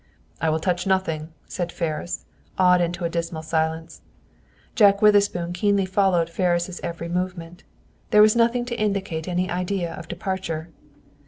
"I will touch nothing," said Ferris, awed into a dismal silence. Jack Witherspoon keenly followed Ferris' every movement. There was nothing to indicate any idea of departure.